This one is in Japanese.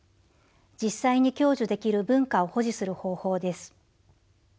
実際に享受できる文化を保持する方法です」。